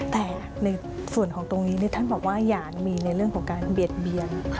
แต่ในส่วนของตรงนี้ท่านบอกว่าอย่ามีในเรื่องของการเบียดเบียน